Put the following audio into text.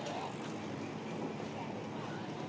สวัสดีครับ